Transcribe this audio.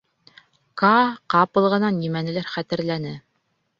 — Каа ҡапыл ғына нимәнелер хәтерләне.